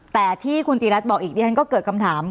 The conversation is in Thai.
แต่ที่คุณติรัฐบอกอีกดิฉันก็เกิดคำถาม